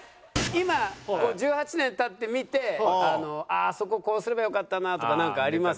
今１８年経って見てあそここうすればよかったなとかなんかあります？